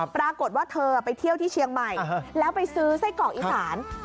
ปรากฏว่าเธอไปเที่ยวที่เชียงใหม่แล้วไปซื้อไส้กรอกอีสาน